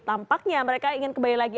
tampaknya mereka ingin kembali lagi